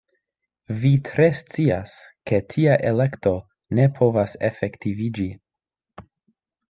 Vi tre scias, ke tia elekto ne povas efektiviĝi.